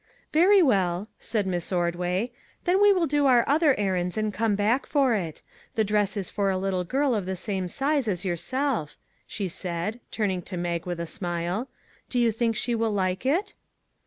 " Very well," said Miss Ordway, " then we will do our other errands and come back for it. The dress is for a little girl of the same size as yourself," she said, turning to Mag with a smile; " do you think she will like it?